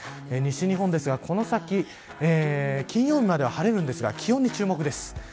西日本ですが、この先金曜日までは晴れるんですが気温に注目です。